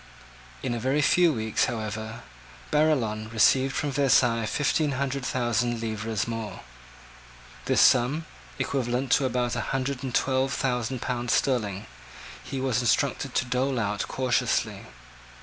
In a very few weeks, however, Barillon received from Versailles fifteen hundred thousand livres more. This sum, equivalent to about a hundred and twelve thousand pounds sterling, he was instructed to dole out cautiously.